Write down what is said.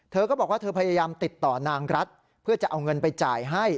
เธอก็บอกว่าเธอพยายามติดต่อนางรัฐเพื่อจะเอาเงินไปจ่ายให้